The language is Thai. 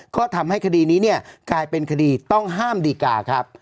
ก็ทำให้คดีนี้เนี่ยกลายเป็นคดีต้องห้ามดีกาครับ